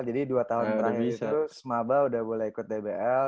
jadi dua tahun terakhir itu semaba udah boleh ikut dbl